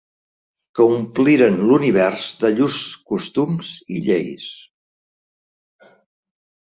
Que ompliren l'univers de llurs costums i lleis.